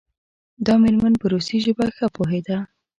دا میرمن په روسي ژبه ښه پوهیده.